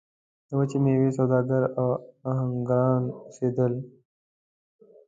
د وچې میوې سوداګر او اهنګران اوسېدل.